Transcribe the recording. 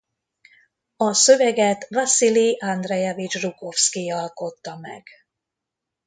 A szöveget Vaszilij Andrejevics Zsukovszkij alkotta meg.